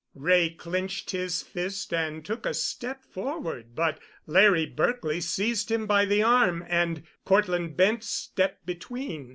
_" Wray clenched his fist and took a step forward, but Larry Berkely seized him by the arm, and Cortland Bent stepped between.